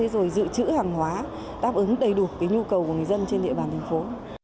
rồi dự trữ hàng hóa đáp ứng đầy đủ nhu cầu của người dân trên địa bàn thành phố